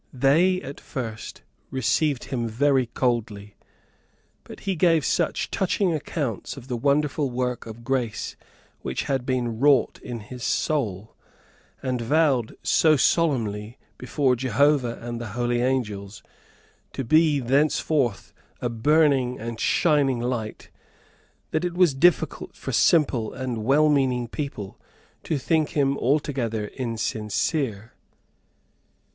They, at first, received him very coldly; but he gave such touching accounts of the wonderful work of grace which had been wrought in his soul, and vowed so solemnly, before Jehovah and the holy angels, to be thenceforth a burning and shining light, that it was difficult for simple and well meaning people to think him altogether insincere.